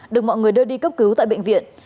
được mọi người đưa đi cấp cứu tại bệnh viện